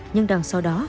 nhưng đằng sau đó